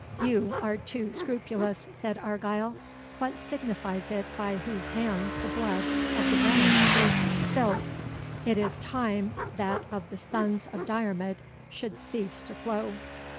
"You are too scrupulous," said Argyle; "what signifies it by whose hands the blood of the Grahames is spilt? It is time that of the sons of Diarmid should cease to flow.